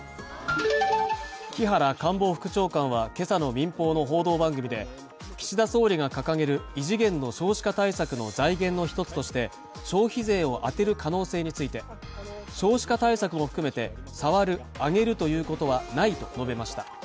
木原官房副長官は、今朝の民放の報道番組で、岸田総理が掲げる異次元の少子化対策の財源の１つとして消費税を充てる可能性について、少子化対策も含めて触る、上げるということはないと述べました。